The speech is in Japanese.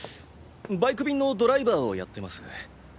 バイク便のドライバーをやってます。